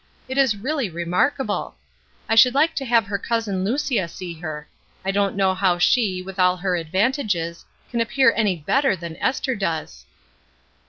It is really remarkable ! I should like to have her cousin Lucia see her. I don't know how she, with all her advantages, can appear any better than Esther does."